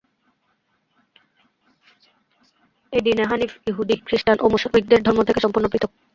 এই দীনে হানীফ ইহুদী, খৃস্টান ও মুশরিকদের ধর্ম থেকে সম্পূর্ণ পৃথক।